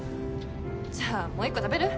じゃあもう一個食べる？